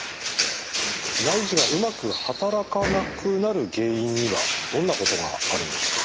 内耳がうまく働かなくなる原因にはどんなことがあるんでしょうか？